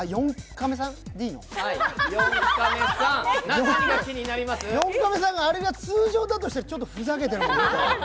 ４カメさんがあれが通常だとしたらちょっとふざけてる。